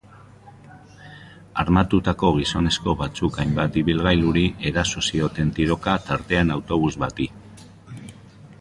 Armatutako gizonezko batzuk hainbat ibilgailuri eraso zioten tiroka, tartean autobus bati.